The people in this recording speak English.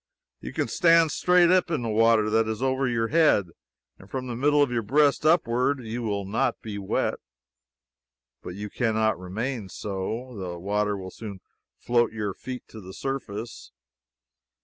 You can stand up straight in water that is over your head, and from the middle of your breast upward you will not be wet. But you can not remain so. The water will soon float your feet to the surface.